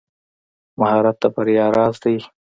مهارت د بریا راز دی.